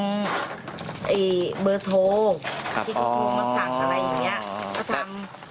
ที่โทษมาสั่งอะไรอย่างนี้